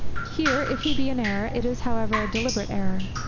Here, if he be in an error, it is however a deliberate error.